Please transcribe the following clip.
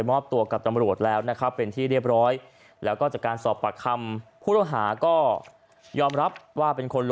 เพราะว่าแต่รู้ว่าอยู่ในออฟฟิศแค่นั้นแหละ